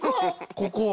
ここ。